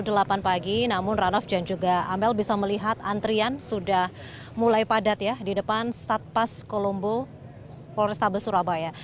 pukul delapan pagi namun ranof dan juga amel bisa melihat antrian sudah mulai padat ya di depan satpas kolombo polrestabes surabaya